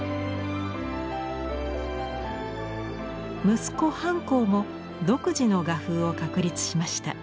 息子半江も独自の画風を確立しました。